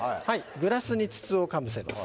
グラスに筒をかぶせます